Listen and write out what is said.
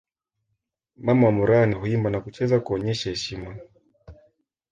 Mama wa Moran huimba na kucheza kuonyesha heshima